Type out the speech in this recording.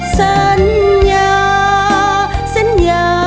สัญญาต่อไปก็ไม่มีแม้เหงา